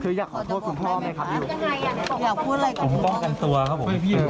คืออยากขอโทษคุณพ่อไหมครับ